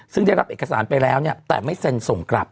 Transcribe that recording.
ซึ่งได้รับเอกสารไปแล้วเนี่ยแต่ไม่เซ็นส่งกลับ